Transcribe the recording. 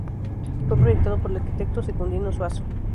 Fue proyectado por el arquitecto Secundino Zuazo.